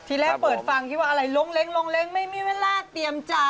ที่แรกเปิดฟังคิดว่าอะไรล้งเล้งไม่มีเวลาเตรียมใจ